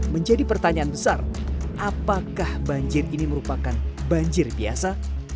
menjadi pertanyaan besar apakah banjir ini merupakan banjir biasa